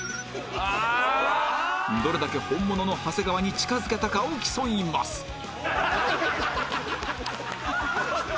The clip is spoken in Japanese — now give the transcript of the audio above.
どれだけ本物の長谷川に近付けたかを競います